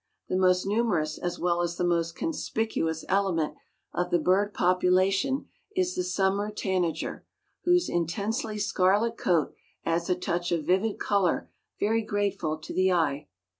The most numerous as well as the most conspicuous element of the bird population is the summer tanager, whose intensely scarlet coat adds a touch of vivid color very grateful to the eye.